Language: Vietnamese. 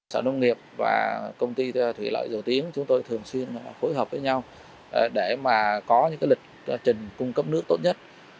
sở nông nghiệp và công ty thủy lợi dầu tiếng chúng tôi thường xuyên phối hợp với nhau để mà có những lịch trình cung cấp nước tốt nhất